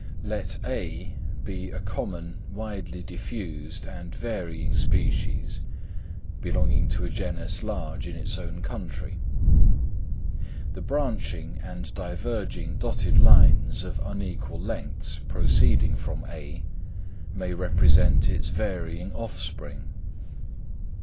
Let (A) be a common, widely diffused, and varying species, belonging to a genus large in its own country. The branching and diverging dotted lines of unequal lengths proceeding from (A), may represent its varying offspring.